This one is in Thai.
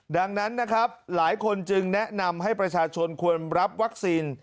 ดังนั้นนะครับหลายคนจึงแนะนำให้ประชาชนควรรับวัคซีน